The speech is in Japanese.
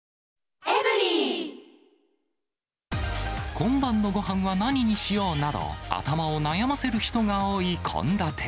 今晩のごはんは何にしようなど、頭を悩ませる人が多い献立。